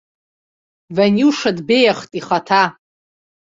Ваниуша дбеиахт ихаҭа.